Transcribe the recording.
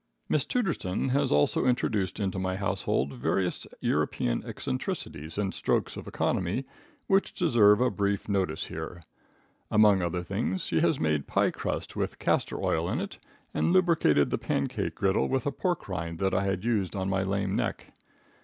Miss Tooterson has also introduced into my household various European eccentricities and strokes of economy which deserve a brief notice here. Among other things she has made pie crust with castor oil in it, and lubricated the pancake griddle with a pork rind that I had used on my lame neck.